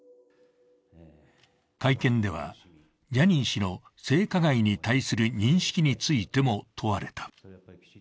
会見ではジャニー氏の性加害に対する認識についても問われた。